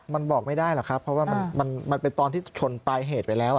มันบอกไม่ได้หรอกครับเพราะว่ามันเป็นตอนที่ชนปลายเหตุไปแล้ว